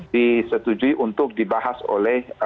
disetujui untuk dibahas oleh